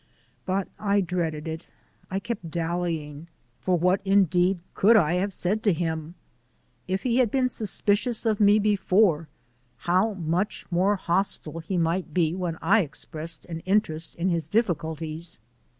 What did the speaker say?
But I dreaded it. I kept dallying for what, indeed, could I have said to him? If he had been suspicious of me before, how much more hostile he might be when I expressed an interest in his difficulties.